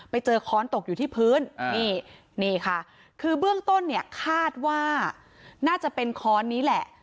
ค้อนตกอยู่ที่พื้นนี่นี่ค่ะคือเบื้องต้นเนี่ยคาดว่าน่าจะเป็นค้อนนี้แหละ